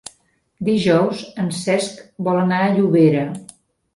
Dijous en Cesc vol anar a Llobera.